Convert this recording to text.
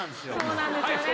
そうなんですよね